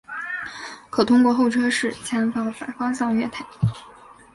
可通过候车室前往反方向月台。